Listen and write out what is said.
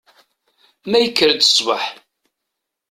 Ma yekker-d sbeḥ.